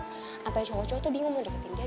sampai cowok cowok itu bingung mau deketin dia